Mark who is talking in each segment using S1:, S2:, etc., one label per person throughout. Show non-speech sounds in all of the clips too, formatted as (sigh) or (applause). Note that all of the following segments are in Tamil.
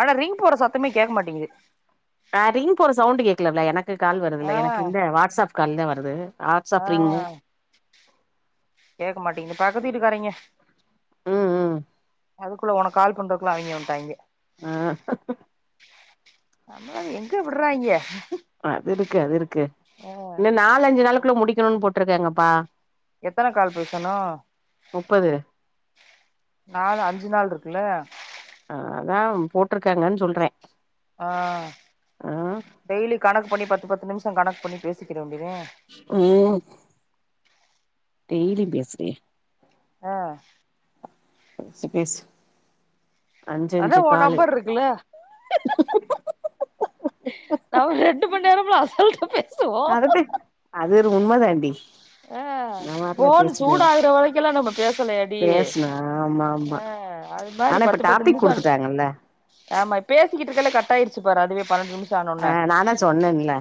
S1: ஆனா ரிங் போற சத்தமே கேட்க மாட்டேங்குது
S2: ஆ ரிங் போற சவுண்டு கே (unintelligible) எனக் கு கால்
S1: ஆ
S2: வருதுல்ல எனக்கு இந்த வாடஸ்அப் கால் தா வருது
S1: ஆ
S2: வாட்ஸ்அப் ரிங்கு
S1: கேக்கமாட் டிங்க பக்கத்து வீட்டுக்காரெங்க
S2: ம் ம்
S1: அதுக்குள்ள ஒனக் கால் பண்றக்குள்ள அவிங்க வன்ட்டாய்ங்க
S2: ஆ
S1: நம்மள எங்க விட்றாய்ங்க
S2: அது இருக்கு அது இருக்கு இன்ன நாலஞ்சு நாளுக்குள்ள முடி க்கனுன் போட்ருக்கேங்கப்பா
S1: எத்தன கால் பேசனு
S2: முப்பது
S1: நாலு அஞ்சு நாள்ருக்குல்ல
S2: மேம் போட்ருக்கேங்கன் சொல்றே
S1: ஆ
S2: ஆ
S1: டெய்லி கணக் கு பண்ணி பத்து பத்து நிம்ச கணக் பண்ணி பேசிக்கிற வேண்டியதே
S2: ம் டெய்லிம் பேசுறே
S1: ஆ
S2: பேசு பேசு அஞ்சு
S1: அதா
S2: அஞ்சு
S1: ஓ
S2: காலு
S1: நம்பர்ருக்குல்ல நாம ரெண்டு மண் நேரம்லா அசால்டா பேசுவோ
S2: அதட்டு அது ஒரு உண்ம தாண்டி
S1: ஆ
S2: நா பாட்ல
S1: ஃபோன்
S2: பேசினே
S1: சூடாகுற வரைக்கெல்லா நம்ம பேசலயாடி
S2: பேசுனே ஆமா ஆமா
S1: ஆ அது மாரி
S2: ஆனா இப்ப
S1: பத்து பத்து
S2: டாபிக்
S1: நிமிச
S2: குடுத்துட்டாங்கல்ல
S1: ஆமா பே சிக்கிட்ருக்கல கட்டாயிருச்சு பார் அதுவே பன்னண்டு நிமி சானோன
S2: ஆ நானா சொன்னேன்ல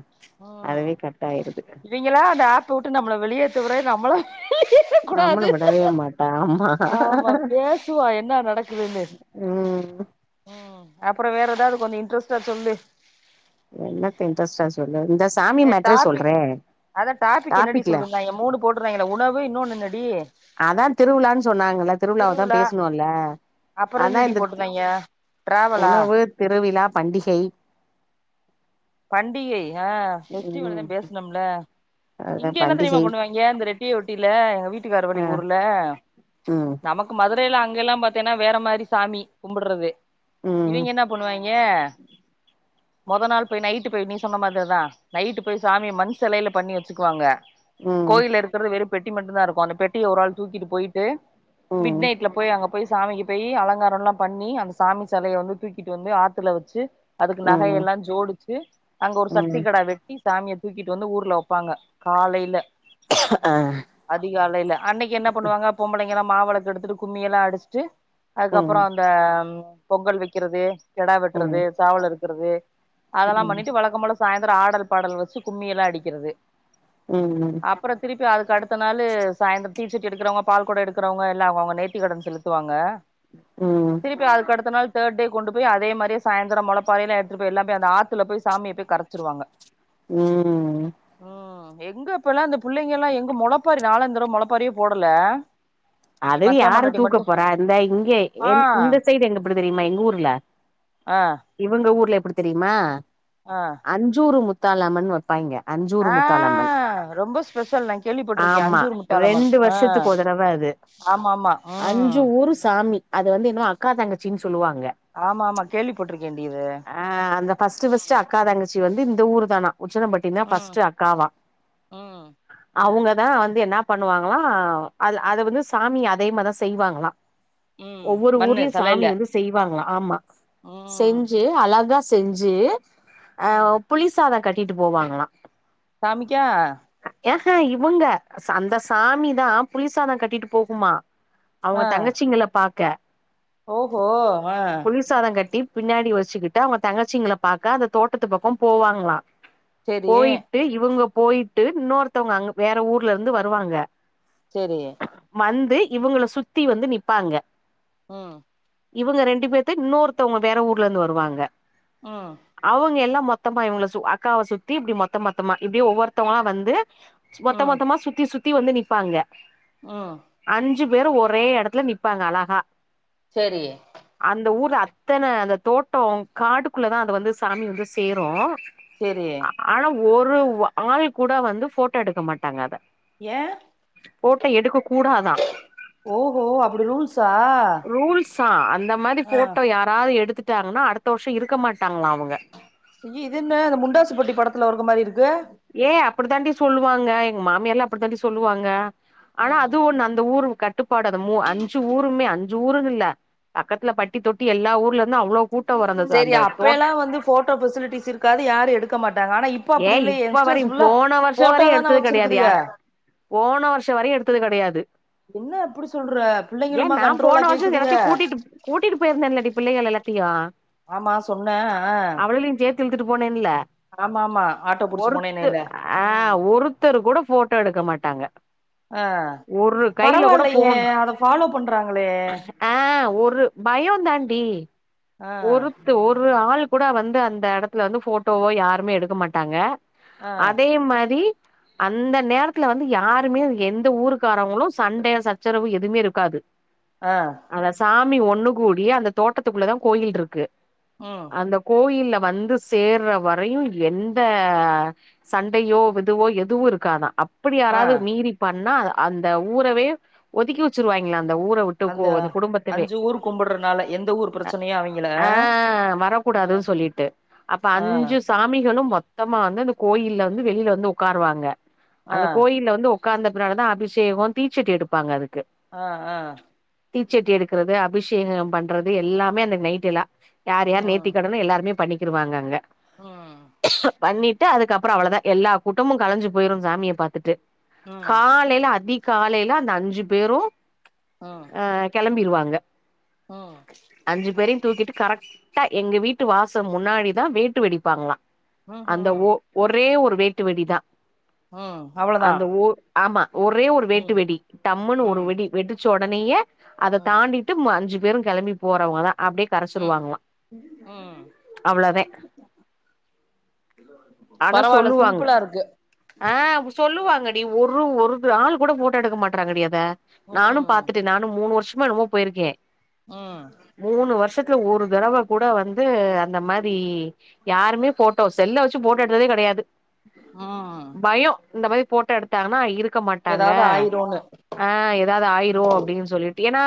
S1: ம்
S2: அதுவே கட் ஆயிருது
S1: இவிங்களா அந்த ஆ ப்ப வுட்டு நம்ள வெளியேத்துவர‌ நம்மளா
S2: நம்மளு‌ விடவே மாட்ட ஆமா
S1: ஆமா பேசுவா என்ன நடக்குதுன்னு
S2: ம்
S1: அப்ற வேற எதாது கொஞ்ச இன்ட்ரெஸ்ட்டா சொல்லு
S2: என்னத்த இன்ட்ரஸ்ட்டா சொ
S1: ஏ டாப்பிக் அதா டாப்பிக் என்னடி
S2: டாபிக்ல
S1: சொல்ருந்தாய்ங்க மூணு போட்ருந்தாய்ங்கல உணவு இன்னோன்னு என்னடி
S2: அதா திருவிழான் சொன்னாங்கல திருவிழாவதா
S1: திருவிழா
S2: பேசுனோல்ல
S1: அப்புறோ
S2: அதா
S1: என்னடி
S2: இந்த
S1: போட்டிருந்தாய்ங்க டிராவலா
S2: உணவு திருவிழா பண்டிகை
S1: பண்டிகை ஆ பெஸ்டிவல்தா
S2: ம்
S1: பேசனும்ல
S2: அதா
S1: இங்க என்ன தெரியுமா
S2: பண்டிகை
S1: பண்ணுவாங்க இந்த ரெட்டிய ஒட்டியில எங்க வீட்டுக்கார வழி
S2: ஆ
S1: ஊர்ல
S2: ம்
S1: நமக்கு மா மதுரையில அங்க எல்லா பாத்தீனா வேற மாரி சாமி கும்பறது
S2: ம்
S1: இவிங்க என்ன பண்ணுவாங்க ஏ மொதல் நாள் போய் நைட்டு போய் நீ சொன்ன மாதிரி தா நைட்டு போய் சாமிய மண் சிலையில பண்ணி வச்சுக்குவாங்க
S2: ம்
S1: கோயில இருக்கிறது வெறுப் பெட்டி மட்டும்தா இருக்கு அந்த பெட்டிய ஒரு ஆள் தூக்கிட்டு போயிட்டு மிட்
S2: ம்
S1: நைட்ல போயி அங்கப் போய் சாமிக்கு போய் அலங்காரம் எல்லா பண்ணி அந்த சாமி சிலையை வந்து தூக்கிட்டு வந்து ஆத்துல வச்சி அதுக்கு நகை
S2: ம்
S1: எல்லா ஜோடிச்சு அங்க ஒரு சக்தி
S2: ம்
S1: கெடாவை வெட்டி சாமிய தூக்கிட்டு வந்து ஊர்ல வைப்பாங்க காலையில
S2: ஆ
S1: அதிகாலையில அன்னைக்கு என்ன பண்ணுவாங்க பொம்பளைங் இங்கெல்லா மாவிளக்கு எடுத்துட்டு கும்மிய எல்லா அடிச்சிட்டு அதுக்கு அப்புறோ
S2: ம்
S1: அந்த பொங்கல் வைக்கிறது கெடா
S2: ம்
S1: வெட்றது சேவல் அறுக் இருக்கது அதெல்லா
S2: ம்
S1: பண்ணிட்டு வழக்க போல சாயந்தரம் ஆடல் பாடல் வச்சு கும்மிய எல்லா அடிக்கிறது
S2: ம்
S1: அப்புறோ திருப்பி அதுக் கடுத்த நாளு சாயந்தரம் தீச்சட்டி எக்கிறவங்க பால்குடோ எடுக்கிறவங்க எல்லா அவ அவங்க நேத்திக்க கடன் செலுத்துவாங்க
S2: ம்
S1: திருப்பி அதுக்கு அடுத்த நாள் தேர்ட்டேண்டு போய் அதே மாரியே சாயந்திரம் முலைப்பறையில எடுத்து போய் எல்லா போய் அந்த ஆத்துல போய் சாமிய போய் கரைச்சிருவாங்க
S2: ம்
S1: ம் எங்க இப்ப எல்லா இந்த பிள்ளைங்க எல்லா எங்க முளைப்பாரி நாலா இந்த தடவை ம முளைப்பாரியே போடல எ
S2: அதுவே
S1: மச்சா
S2: யாரும்
S1: பொண்டாட்டி
S2: தூக்க
S1: மட்டு
S2: போறா இந்த இங்க
S1: ஆ
S2: இந்த சைடு எங்க பிடி தெரியுமா எங்க ஊர்ல
S1: ஆ
S2: இவங்க ஊர்ல எப்பிடி தெரியுமா?
S1: ஆ
S2: அஞ்சூரு முத் தாலம்மன்னு வ ப்பாய்ங்க அஞ்சூரு
S1: ஆ
S2: முத்தாலம்மன்
S1: ரொம்ப ஸ்பெஷல் நா கேள்விப்பட்டிருக்கே
S2: ஆமா
S1: அஞ்சூர் முத்தாலம்மன்
S2: ரெண்டு
S1: ஆ
S2: வருஷத்துக்கு ஒரு தடவ அது
S1: ஆமா ஆமா
S2: அஞ்சு
S1: ம்
S2: ஊரு சாமி அது வந்து ன்னு அக்கா தங்கச்சின் சொல்லுவாங்க
S1: ஆமா ஆமா கேள்விப்பட்டிருக்கேன்டி இது
S2: ஆ அந்த ஃபஸ்ட்டு ஃபஸ்ட்டு அக்கா தங்க ச்சி வந்து இந்த ஊர்தானா உசலம்பட்டிதா
S1: ம்
S2: ஃபஸ்ட்டு அக்காவா
S1: ம்
S2: அவங்க தா வந்து என்னா பண்ணுவாங்களா அது அது வந்து சாமி அதே மாரிதா செய்வாங்களா
S1: ம்
S2: ஒவ்வொரு
S1: மண்ணு
S2: ஊர்லயு சாமி
S1: சலையில
S2: வந்து செய்வாங்களா ஆமா
S1: ம்
S2: செஞ்சு அழகா செஞ்சு ஆ
S1: ம்
S2: புளி சாதோ கட் டிட்டு போவாங்களா
S1: சாமிக்கா?
S2: ஏஹா இவுங்க அந்த சாமிதா புளி சாதோ கட்டிட்டு போகுமா அவங்க
S1: ஆ
S2: தங்கச்சிங்கள பாக்க
S1: ஓஹோ ஆ
S2: புளிசாதோ கட்டி பின்னாடி வச்சுக்கிட்டு அவங்க தங்கச்சிங்கள பாக்க அந்த தோட்டத்து பக்கோ போவாங்களா
S1: செரி
S2: போயிட்டு இவங்க போயிட்டு இன்னொருத்தவங்க அங்க வேற ஊர்ல இருந்து வருவாங்க
S1: செரி
S2: வந்து இவங்கள சுத்தி வந்து நிப்பாங்க.
S1: ம்
S2: இவங்க ரெண்டு பேத்து இன்னொருத்தவங்க வேற ஊர்ல இருந்து வருவாங்க
S1: ம்
S2: அவங்க எல்லா மொத்தமா இவங்கள சு அக்காவ சுத்தி இப்டி மொத்த மொத்தமா இப்டி ஒவ்வொருத்தவங்களா வந்து மொத்த மொத்தமா சுத்தி சுத் சுத்தி வந்து நிப்பாங்க
S1: ஆ
S2: அஞ்சி பேரு ஒரே எடத்துல நிப்பாங்க அழகா
S1: சரி
S2: ரு அத்தன அந்த தோட்டம் காட்டுக்குள்ள தா அத வந்து சாமி வந்து சேரும்
S1: செரி
S2: ஒரு வ ஆள் கூட வந்து போட்டோ எடுக்க மாட்டாங்க அத
S1: ஏன்
S2: போட்ட எடுக்கக் கூடாதா
S1: ஓஹோ அப்டி ரூல்ஸா
S2: ரூல்ஸ்ஸா அந்த மாரி
S1: ஆ
S2: போட்டோ யாராவது எடுத்து ட்டாருனா அடுத்த வருஷம் இருக்க மாட்டாங்களா அவுங்க
S1: அய்யோ இது என்ன அந்த முண்டாசுபட்டி படத்துல இருக்க மாரி இருக்
S2: ஏ அப்டி தாண்டி சொல்லுவாங்க எங்க மாமியார்லாம் அப்டி தாண்டி சொல்லுவாங்க ஆனா
S1: ம்
S2: அதுவும் ஒன்னு அந்த ஊரு கட்டுப்பாடு அது மூ அஞ்சி ஊருமே அஞ் சி ஊருனு இல்ல பக்கத்துல பட்டி தொட்டி எல்லா ஊர்ல இருந்தும் அவ்ளோ கூட்டோ வரு அந்த
S1: செரி
S2: அந்த
S1: அப்ப
S2: தோட்
S1: எல்லாம் வந்து போட்டோ பெசிலிட்டிஸ் இருக்காது யாரும் எடுக்க மாட்டாங்க ஆனா இப்போ அப்டி இல்லயே
S2: வரிம் போன வருஷ வரையும் எடுத்தது கெடையாது யார் போன வருஷம் வரையும் எடுத்தது கெடையாது
S1: என்ன இப்டி சொல்ற
S2: ஏன்
S1: பிள்ளைங்களுமா
S2: நா போன
S1: கண்ட்ரோலா
S2: வருஷம்
S1: கேக்குதுக
S2: எல்லாத்தையும் கூட்டிட்டு கூட்டிட்டு போயிருந்தேன்லடி பிள் பிள்ளைகள எல்லாத்தியும்
S1: ஆமா சொன்ன ஆ
S2: து இழுத்துட்டு போனேன் இல்ல
S1: ஆமா ஆமா ஆட்டோ புடிச்சு
S2: ஒருத்து
S1: போனேனேல்ல
S2: ஆ
S1: ம்
S2: ஒருத்தரு கூட போட்டோ எடுக்க மாட் டாங்க
S1: ஆ
S2: ஒரு கையில கூட
S1: பரவாயில்லையே
S2: ஃபோனு
S1: அத ஃபாலோ பண்றாங்களே
S2: ஆ ஒரு பயம் தாண் டி
S1: ஆ
S2: ஒருத்து ஒரு ஆள் கூட வந்து அந்த எடத்துல வந்து போட்டோவோ யாருமே எடுக்க மாட்டாங்க
S1: ஆ
S2: அதே மாரி அந்த நேரத்துல வந்து யாருமே எந்த ஊருக்காரவங்களு சண்ட சச்சரவு எதுமே இருக்காது
S1: ஆ
S2: அதா சா (unintelligible) ஒண்ணு கூடி அந்த தோட்டத்துக்குள்ள தா கோயில் இருக்கு
S1: ம்
S2: அந்த கோயில வந்து சேர்ற வரயு எந்த சண்டயோ விதுவோ எதுவு இருக்காதா அ அப்டி
S1: ஆ
S2: யாராவது மீறி பண்ணா அ அந்த ஊறவே ஒதுக்கி வச்சருவாங்களா அந்த ஊர உட்டு கு
S1: அந்த
S2: குடும்பத்தவே
S1: அஞ்சு ஊர் கும்பிடுறனால எந்த ஊர் பிரச்சனையு அவிங்கள
S2: ஆ
S1: ஆ
S2: வரக்கூடாது சொல்லிட்டு அப்ப
S1: ஆ
S2: அஞ்சு சாமிகளு மொத் தமா (unintelligible) கோயில வந்து வெளில வந்து உட்காருவாங்க
S1: ஆ
S2: அந்த கோயில வந்து உட் காந்த பின்னால தா அபிஷேகோ தீச்சட்டி எடுப்பாங்க அது
S1: ஆ ஆ
S2: தீச்சட்டி எடுக்கறது அபிஷேக பண்றது எல்லாமே அந்த நைட்டு எல்லா யார் யார்
S1: ம்
S2: நேத்தி கடனோ எல்லாருமே பண்ணி க்கிருவாங்க அங்க
S1: ம்
S2: பண்ணி ட்டு அதுக்கப்றோ அவளதா எல்லா கூட்டமு கலஞ்சு போயிறோ சாமிய பாத்துட்டு
S1: ம்
S2: காலையில அதிகாலைல தா அந்த அஞ்சு பேரு
S1: ம்
S2: ஆ கிளம் பிருவாங்க
S1: ம்
S2: அஞ்சு பேரயு தூக்கிட்டு கரெக்டா எங்க வீட்டு வாச முன்னாடிதா வேட்டு வெடிப்பாங்களா
S1: ம் ம்
S2: அந்த ஒ ஒரே ஒரு வேட்டு வெடிதா
S1: அவ்ளோதா
S2: அந்த ஒ ஆமா ஒரே ஒரு வேட்டு
S1: ம்
S2: வெடி தம்முன்னு ஒரு
S1: ம்
S2: வெடி வெடிச்சு தோ உடனேய அத
S1: ம்
S2: தாண்டிட்டு ம அஞ்சு பெரும் கிளம்பி போறவங்க தா அப்படியே
S1: ம்
S2: கரைச்சிடுவாங்களா
S1: ம்
S2: அவ்வளோதா ஆனா
S1: பரவால்ல
S2: சொல்லுவாங்க
S1: சிம்பிளா இருக்கு
S2: ஆ சொல்லுவாங்க டி ஒரு ஒரு ஆள் கூட போட்டோ எடுக்க மாட்டறாங்கடி அத நானும்
S1: ம்
S2: பாத்துட்டே நானும் மூனு வருஷம் வொர்க் பண்ணும்போது போயிருக்கே
S1: ம்
S2: மூனு வருஷத்ல ஒரு தடவ கூட வந்து அந்த மாரி யாருமே போட்டோஸ் செல்ல வச்சு போட்ட எடுக்கறதே கெடயாது
S1: ம்
S2: பயோ இந்த மாரி போட்டோ எடுத்தாங்கன்னா இருக்கு இருக்க மாட்டாங்க
S1: ஏதாவது ஆயிருன்னு
S2: ஆ ஏதாவது ஆயிரு அப்படின்னு சொல்லிட்டு ஏன்னா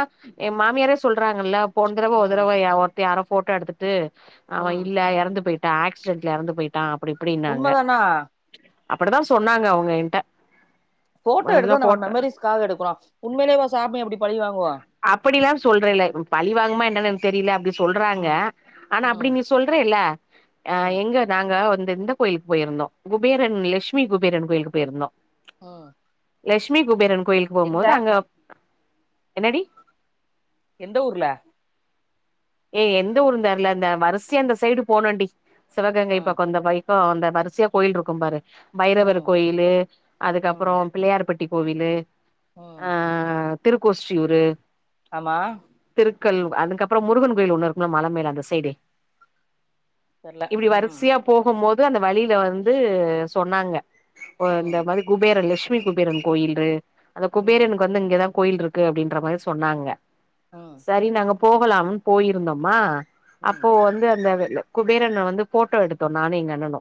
S2: ஏ மாமியாரே சொல்றாங்கல்ல போன தடவ ஒரு
S1: ம்
S2: தடவ யாரோ போட்டோ எடுத்துட்டு அவ
S1: ம்
S2: இல்ல எறந்து போயிட்டு ஆக்சிடென்ட்ல எறந்து போயிட்டா அப் இப்டி
S1: உண்மதானா
S2: அப்டிதா சொன்னாங்க அவுங்க ஏன்ட்ட
S1: போட்டோ எடுத்தா நம்ம மெமரி்ஸ்காக எடுக்குறோ உண்மையிலேவா சாமி அப்டி பழி வாங்கு
S2: அப்டி எல்லா சொல்றேல்ல பழி வாங்குமா என்னன தெரியல அப்டினு சொல்றாங்க
S1: ம்
S2: ஆனா அப்டி
S1: ம்
S2: நீ சொல்றேல்ல
S1: ம்
S2: எங்க நாங்க வந்து இந்த கோயிலுக்கு போயிருந்தோ குபேரன் லட்சுமி குபேரன் கோயிலுக்கு போயிருந்தோ
S1: உம்
S2: லெட்சுமி குபேரன் கோயிலுக்கு போகும்போது அங்க என்னடி
S1: எந்த ஊர்ல
S2: ஏ எந்த ஊருந்தெர்ல அந்த வரிசியா அந்த சைடு போனோண்டி சிவகங்கை
S1: ம்
S2: பக்கோ இந்தமாரி அந்த வரிசியா கோயில் இருக்கும் பாரு பைரவர்
S1: ம்
S2: கோயிலு
S1: ம்
S2: அதுக்கப்புறோ பிள்ளையார்பட்டி கோவிலு ஆ
S1: ம்
S2: திருக்கோஷ்டியூரு
S1: ஆமா
S2: க்கல் அதுக்கப்றொ முருகன் கோயில் ஒன்னு இருக்கும்ல மல மேல அந்த சைடே
S1: தெர்ல
S2: இப்டி
S1: ம்
S2: வரிசையா போகும்மோ து அந்த வழில வந்து சொன்னாங்க ஒ
S1: ம்
S2: இந்த மாரி‌ குபேர லெக்ஷ் மி குபேரன் கோயில்லு அந்த
S1: ம்
S2: குபேரனுக்கு வந்து இங்கதா கோயில்ருக்கு அப்டின்ற மாரி சொன்னாங்க
S1: ம்
S2: சரி நாங்க போகலாம் போயிருந்தொமா
S1: ம்
S2: அப்போ வந்து அந்த வெ குபேரன வந்து ஃபோட்டோ எடுத்தோ நானு எங்க அண்ணனு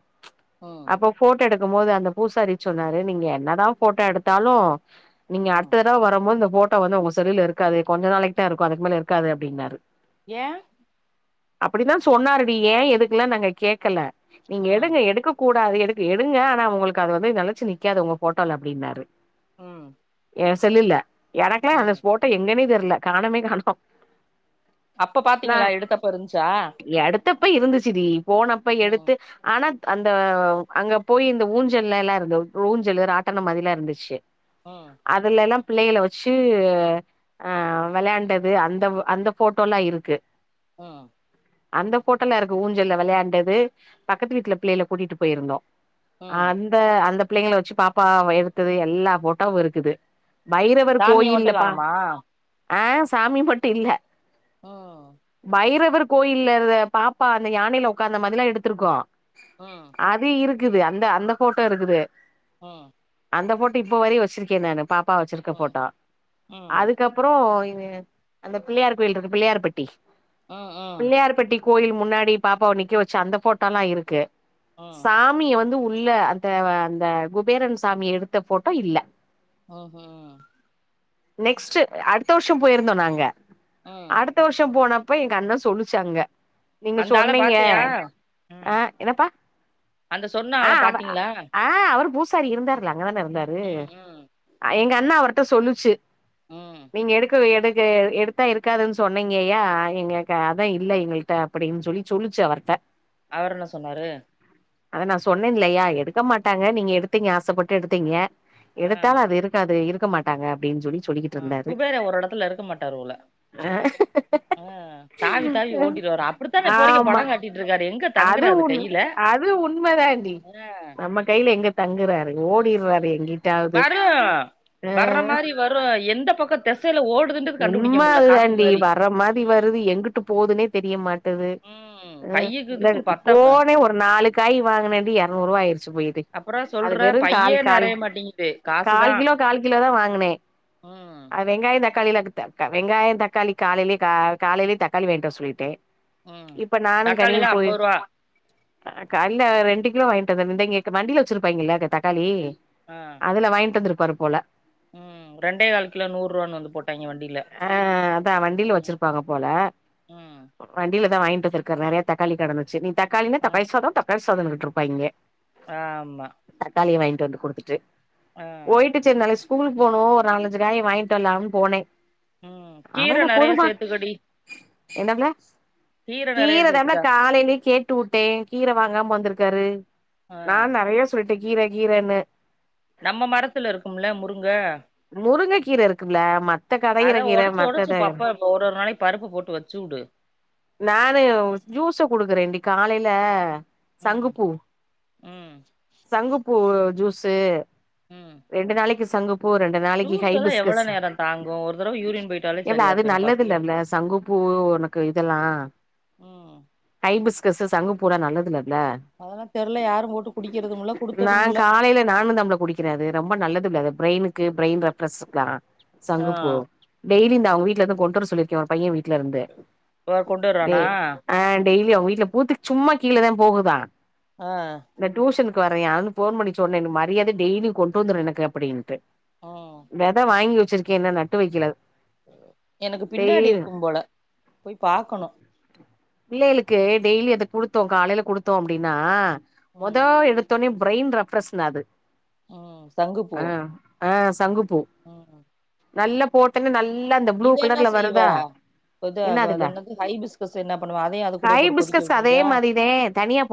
S1: ம்
S2: அப்ப ஃபோட்டோ எடு க்கும்மோது அந்த பூசாரி சொன்னாரு நீங்க என்னதா ஃபோட்டோ எடுத்தாலு நீங்க
S1: ம்
S2: அடுத்த தடவ வரம்மோந்த ஃபோட்டோ வந்து உங்க செல்லுல இருக்காது கொஞ்ச நாளைக் தா இருக்கு அதுக்கு மேல இருக்காது அப்டின்னாரு
S1: ஏ?
S2: அப்பிடிதா சொன்னாருடி ஏ எதுக்குல்லா நாங்க கேக்கல நீங்க
S1: ம்
S2: எடுங்க எடுக்க கூ டாது எடுக்க எடுங்க ஆனா உங்களுக்கு அது வந்து நெலச்சு நிக்காது உங்க ஃபோட்டோல அப்டின்னாரு
S1: ம்
S2: ஏ செல்லுல எனக்குலா அந்த
S1: ம்
S2: ஃபோட்டோ எங்கனே தெர் இல்ல காணமே காணோ
S1: அப்ப பாத்தீங்களா எடுத்தப்ப இருந்ச்சா?
S2: தப்ப இருந்துச்சுடி போனப்ப எடுத்து ஆனா அந்த அங்க போய் இந்த ஊஞ்சல்லேலா இருந்த ஊஞ்சலு ராட்டன மாரிலா இருந்துச்சு
S1: ம்
S2: அதுலல்லா பிள்ளைகள வச்சு விளாயாண்டது அந்த அந்த போட்டோல்லா இருக் கு
S1: ம்
S2: அந்த பேட்டல்ல இருக்கு ஊஞ்சல்லல விளையாண்டது பக்கத்து வீட்ல பிள்ளையல கூட்டிட்டு போயிருந்தோம்
S1: ம்
S2: அந்த அந்தப் பிள்ளைங்கள வச்சு பாப்பா எடுத்துது எல்லா போட்டாவும் இருக்குது பைரவர்
S1: சாமிய மட்டு
S2: கோயில்லப்பா
S1: காணமா
S2: அ சாமி மட்டு இல்ல
S1: ம்
S2: பைரவர் கோயில்ல இது பாப்பா அந்த யானைல உக்காந்த மாதிலா எடுத்திருக்கோம்
S1: ம்
S2: அது இருக் கிது அந்த அந்த போட்டோ இருக்குது
S1: ஓ
S2: அந்த போட்டோ இப்ப வரயு வச்சிருக்கே நானு பாப் பா வச்சிருக்க
S1: ம்
S2: போட்டோ
S1: ம்
S2: அதுக்கப்றோ அந்த பிள்ளையார் கோயில் இருக்கு பிள்ளையார் பட் டி
S1: ஆ ஆ
S2: பிள்ளையார் பட்டி கோயில் மு முன்னாடி பாப்பாவ நிக்க வச்சு அந்த போட்டோல்லா இருக்கு
S1: ஆ
S2: சாமிய வந்து உ உள்ள அந்த அந்த குபேரன் சாமி எடுத்த போட்டோ இல்ல
S1: ஓஹோ
S2: நெக்ஸ்ட் அடுத்த வருஷம் போயிருந்தோம் நாங்க
S1: ஆ
S2: அடுத் போனப்ப எங்க அண்ண சொல்லிச்சு அங்க நீங்க
S1: அந்த ஆள
S2: சொன்னீங்க
S1: பாத்தியா
S2: ஆ
S1: ம்
S2: என்னப்பா
S1: அந்த சொன்ன
S2: ஆ
S1: ஆள
S2: ஆ அவர்
S1: பாத்தீங்களா
S2: அவுரு பூஸ் சரி இருந்தார்ல அங்க தான இருந்தாரு
S1: ம் ம்
S2: எங்க அண்ணா அவர்ட சொல்லுச்சு
S1: ம்
S2: நீங்க எடுக்கு எடு கு எடுத்தா இருக்காதுன் சொன்னீங்கயா எங்கக்கு அதா இல்ல எங்கள்ட அப்டின் சொல்லி சொல்லிச்சு அவர்ட
S1: அவுர் என்ன சொன்னாரு
S2: அத நா சொன்னேன்ல்லையா எடுக்க மாட்டாங்க நீங்க எடுத்தீங்க ஆசப்பட்டு எடுத்தீங்க
S1: ஆ
S2: எடுத்தாலு அது இருக்காது இரு க்க மாட்டாங்க அப்டின்னு சொல்லி சொல்லிக்கிட்டு
S1: ஆ
S2: இருந்தாரு
S1: குபேர ஒரு எடத்துல இருக்க மாட்டாரு போல
S2: அஹ்
S1: உ தாவி தாவி ஓட்டிட்டு வரு அப்டித்தா இப்போ வரைக்கு
S2: ஆமா
S1: படம் காட்டிட்டு இருக்காரு எங்க
S2: அது
S1: தங்குறாரு
S2: ஒண்ணு
S1: கையில
S2: அது உண்மதாண்டி
S1: ஆ
S2: நம்ம கையில எங்க தங்குறாரு
S1: உ
S2: ஓடிடுறாரு எங்கிட்டாவது
S1: வரு
S2: ஆ
S1: வர்ற மாரி வரு எந்த பக்கோ தெச
S2: உண்ம அதுதாண்டி வர்ற மாரி
S1: ம்
S2: வருது எங்குட்டு போதுனே தெரியமாட் ட்டுது
S1: ம்
S2: உ
S1: கையுக்கு
S2: இந்த
S1: இதுக்கு பத்தாம
S2: போனே ஒரு நாலுக்காய் வாங்கினே இரநூறு ரூவா ஆயிருச்சு போயி
S1: அப்புறோ
S2: அது
S1: சொல்ற
S2: வெறு கால்
S1: பையே
S2: கால்
S1: நெறைய மாட்டேங்குது காசுதா
S2: கால் கிலோ கால் கிலோ தா வாங்கினே
S1: ம்
S2: அது வெங்காய தக்காளியில வெங்காயோ தக்காளி காலையிலே காலையிலேதக்காளி வாங்ட்டுவர சொல்லிட்டே
S1: உ
S2: இப்ப
S1: தக்காளிலா அம்ப ரூவா
S2: கால்ல ரெண்டு கிலோ வாங்கிட்டுவந்துருந்த இந்தங்க வண்டியில வச்சிருப்பாங்களல்ல (unintelligible) தக்காளி அதுல வாங்கிட்டு வந்துருப்பாரு போல
S1: உ ரெண்டே கால் கிலோ நூர்
S2: அ அதா வண்டில
S1: ம்
S2: வச்சிருப்பாங்க போல
S1: ம்
S2: வண்டில தா வாங்கிட் ட்டந்துருக்காரு நறையா தக்காளி கடந்துச்சு நீ தக் தக்காளில
S1: ம்
S2: தக்காளி சாத தக்காளி சோ சாதோன் கிட்டு இருப்பாங்க
S1: ஆ மா
S2: குடுத்துட்டு ஓயிட்டுசுனாலேஸ் ஸ்கூலுக் போணு ஒரு நாலஞ்சு காய வாங்கி வரலாம்னு போனே
S1: உ
S2: அவ
S1: கீர
S2: என்ன
S1: நறைய
S2: போதுமா
S1: சேர்த்துக்கடி
S2: என்னப்ல கீரதாப்ல காலைலயே கேட்டு விட்டே கீர வாங்காம வந்திருக்கு டாரு
S1: ஆ
S2: நானு நறையா சொல் கீர கீரன்னு
S1: நம்ம மரத்துல இருக்கும்ல முருங்க
S2: முருங்க கீர இருக்குல்ல மத்த கடயிற
S1: அத
S2: கீர
S1: ஒடச்சு ஒடச்சு
S2: மத்தத
S1: பப்ப ஒரு ஒரு நாளைக்கு பருப்பு போட்டு வச்சு வுடு
S2: நானு ஜூஸ குடுக்குறேன்டி காலேல
S1: ம்
S2: சங்குப்பூ
S1: ம்
S2: சங்குப்பூ பூ ஜூஸு
S1: உம்
S2: ரெண்டு நாளைக்கு சங்குப்பூ பூ ரெண்டு நாளைக்கு ஹைபிஸ்கஸ்
S1: நேரோ தாங்கு ஒரு தடவ யூரின் போயிட்டாலே
S2: ஏவ்ள
S1: சரியா
S2: அது
S1: போயிரு
S2: நல்லது
S1: பசி
S2: இல்லவ்ள
S1: எடுக்கு
S2: சங்குப்பூ உனக்கு இதெல்லா
S1: ம்
S2: ஹைபிஸ்கஸு சங்குப்பூ போட நல்லதுல்ல
S1: அதெல்லா தெர்ல யாரு போட்டு குடிக்கிறதுமில்ல
S2: நா
S1: குடுத்ததுமில்ல
S2: காலேல நானு தாம்ள குடிக்குறே அது ரொம்ப நல்லது து பிரைனுக்கு பிரைன் ரெஃப்ரெஷ் தானா
S1: ஆ
S2: சங்கு பூ டெய்லி இந்த அவுங்க வீட் ந்து கொண்டு வர சொல்லிருக்கே ஒரு பைய வீட் ட்ல இருந்து
S1: இவ கொண்டு வர்றானா
S2: அ டெய்லி அவுங்க வீட்ல பூத்து சும்மா கீழ தா போகுதா
S1: ஆ
S2: வர்றயானு போன் பண்ணி சொன்னே எனக்கு மரியாதையா டெய்லி கொண்டு வந்துரு எனக்கு அப்டின்ட்டு
S1: ம்
S2: வெத வாங்கி வச்சு என்ன நட்டு வக்கல
S1: எனக்கு பின்னாடி இருக்கும் போல போய் பாக்கணு
S2: பிள்ளேகளுக்கு டெய்லி அத குடுத்தோ காலேல குடுத்தோ அப்டின்னா மொத
S1: ம்
S2: எடுத்தோனே பிரைன் ரெஃப்ரெஸ்ன அது ஆ ஆ சங்குப்
S1: உம்
S2: நல்லா போட்டோனே நல்ல
S1: இத என்ன செய்வ? அதா
S2: என்ன
S1: வ
S2: அதுல
S1: அதென்னது ஹைபிஸ்கஸ் என்ன பண்ணுவ? அதையு அதுகூடயே போட்டு கொதிக்க
S2: ஹைபிஸ்கஸ் அதே
S1: விட்ருவியா?
S2: மாதிரிதே தனியா